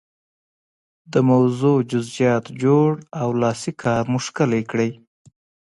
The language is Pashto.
د موضوع جزئیات جوړ او لاسي کار مو ښکلی کړئ.